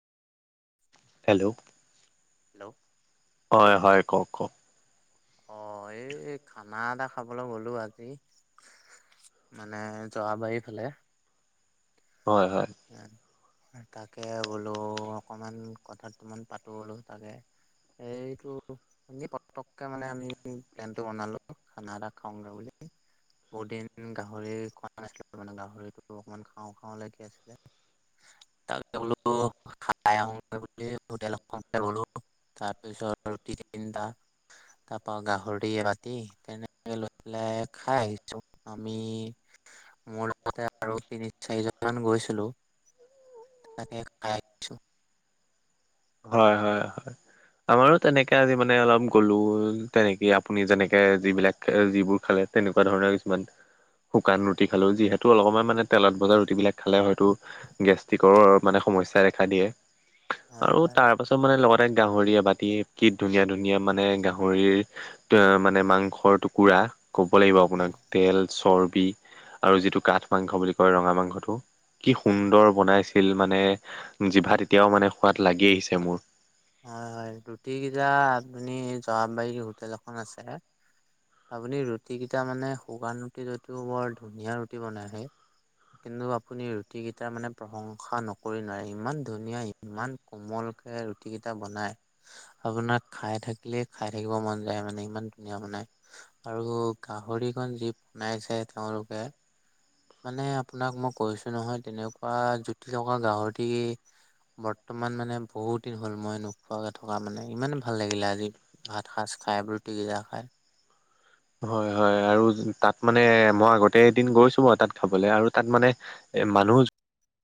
Hello. Hello. হয়, হয়, কওক, কওক। অ', এই খানা এটা খাবলৈ গলোঁ আজি। মানে যোৱাবাৰিফালে। হয়, হয়। তাকে বোলো, অকমান কথা কথামান পাতো বোলো তাকে। এইটো। এনে পটককে মানে আমি প্লেনটো বনালো খানা এটা খাওঁগে বুলি। বহুতদিন গাহৰি খোৱা নাছিলো, মানে গাহৰিতটো অকমান খাওঁ, খাওঁ লাগি আছিলে। [unintelligible] চাই আহোতে গোটেই হোটেল এখনত গলোঁ তাৰ পিছত ৰুটি তিনিটা তাৰ পৰা গাহৰি এবাতি তেনেকে লৈ পেলাই খাই আহিছো। আমি মোৰ লগতে আৰু তিনি চাৰিজন মান গৈছিলো। তাকে খাই। আহিছো। হয়, হয়, হয়। আমাৰো তেনেকে আজি মানে অলপ গলোঁ তেনেকে আপুনি যেনেকে যিবিলাক। যিবোৰ খালে, তেনেকুৱা ধৰণৰ কিছুমান। শুকান ৰুটি খালোঁ। যিহেতু অলপমান মানে তেলত বজাৰ ৰুটিবিলাক খালে হয়তো। গেষ্ট্ৰিকৰো মানে সমস্যা দেখা দিয়ে। হয় আৰু হয় তাৰ পাছত মানে লগতে গাহৰি এবাতি কি ধুনীয়া ধুনীয়া মানে গাহৰিৰ টো মানে মাংসৰ টুকুৰা। ক'ব লাগিব, হয় আপোনাক তেল চৰ্বি আৰু যিটো কাঠ মাংস বুলি কয় ৰঙা মাংসটো। কি হয় সুন্দৰ বনাইছিল মানে, জিভা এতিয়াও মানে সোৱাদ লাগি আহিছে মোৰ। হয়, হয়, ৰুটি কেইটা আপুনি জোৱাববাৰী হোটেল এখন আছে। আপুনি ৰুটি কেইটা মানে শুকান ৰুটি যটিও বৰ ধুনীয়া ৰুটি বনাইহে। কিন্তু আপুনি ৰুটি কেইটাৰ মানে প্ৰশংসা নকৰি নোৱাৰে ইমান ধুনীয়া। ইমান কোমলকে ৰুটি কেইটা বনাই। আপোনাৰ খাই থাকিলে খাই থাকিব মন যায় মানে ইমান ধুনীয়া বনাই। আৰু গাহৰিকনন যি বনাইছে তেওঁলোকে। মানে আপোনাক মই কৈছো নহয় তেনেকুৱা জুতি লগা গাহৰি। বৰ্তমান মানে বহুত দিন হ'ল মই নোখোৱাকে থকা মানে, ইমানে ভাল লাগিলে আজি। ভাত সাঁজ খাই ৰুটি কেইটা খায়। হয়, হয়, আৰু তাত মানে মই আগতে এদিন গৈছো বাৰ তাত খাবলে আৰু তাত মানে। এ মানুহোজ